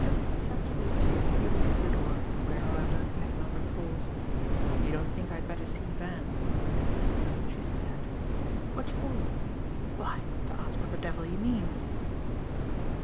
Just perceptibly cheered he reached the door, where, however, he had another pause. "You don't think I had better see Van?" She stared. "What for?" "Why, to ask what the devil he means."